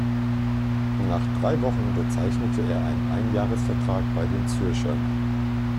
Nach drei Wochen unterzeichnete er einen Einjahresvertrag bei den Zürchern.